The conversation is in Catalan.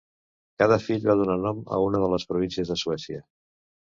Cada fill va donar nom a una de les províncies de Suècia.